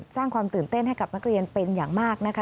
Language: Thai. สร้างความตื่นเต้นให้กับนักเรียนเป็นอย่างมากนะคะ